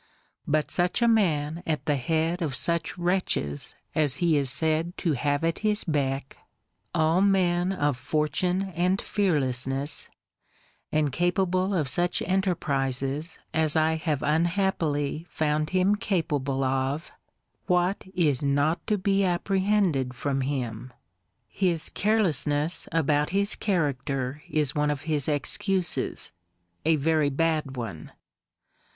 But such a man at the head of such wretches as he is said to have at his beck, all men of fortune and fearlessness, and capable of such enterprises as I have unhappily found him capable of, what is not to be apprehended from him! His carelessness about his character is one of his excuses: a very bad one.